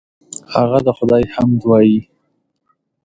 هغه د خدای حمد وایه.